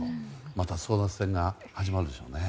また争奪戦が始まるでしょうね。